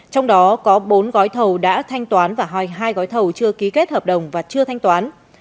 trong đó có bốn gói thầu đã thanh toán và hai gói thầu chưa ký kết hợp đồng và chưa thanh toán